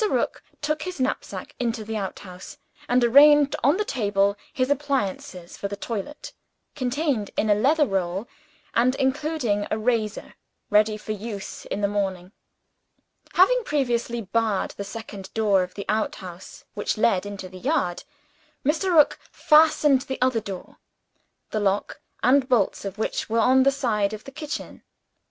Rook took his knapsack into the outhouse; and arranged on the table his appliances for the toilet contained in a leather roll, and including a razor ready for use in the morning. Having previously barred the second door of the outhouse, which led into the yard, Mr. Rook fastened the other door, the lock and bolts of which were on the side of the kitchen.